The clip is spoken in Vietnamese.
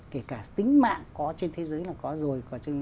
kể cả tính mạng có trên thế giới là có rồi